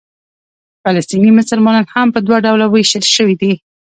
فلسطیني مسلمانان هم په دوه ډوله وېشل شوي دي.